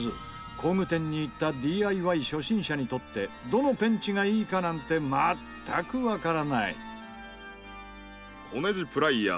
工具店に行ったＤＩＹ初心者にとってどのペンチがいいかなんて全くわからない。